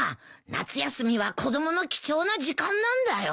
夏休みは子供の貴重な時間なんだよ？